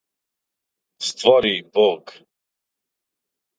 створи Бог